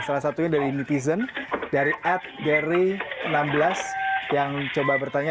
salah satunya dari netizen dari ad gary enam belas yang coba bertanya